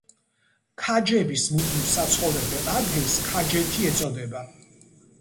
ქაჯების მუდმივ საცხოვრებელ ადგილს ქაჯეთი ეწოდება.